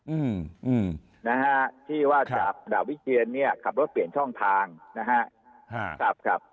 อืมนะฮะที่ว่าจากดาบวิเทียนเนี่ยขับรถเปลี่ยนช่องทางนะฮะครับครับ